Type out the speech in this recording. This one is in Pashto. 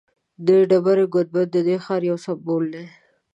د ډبرې ګنبد ددې ښار یو سمبول دی.